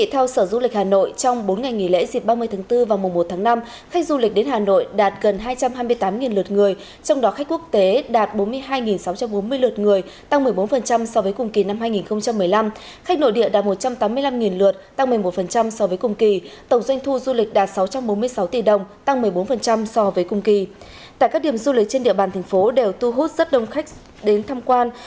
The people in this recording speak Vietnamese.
tại các điểm du lịch trên địa bàn thành phố đều tu hút rất đông khách đến tham quan